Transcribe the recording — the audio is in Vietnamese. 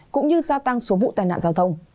cũng như gia tăng số vụ tai nạn giao thông